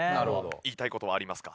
言いたい事はありますか？